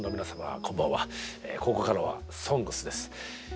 こんばんはここからは「ＳＯＮＧＳ」です。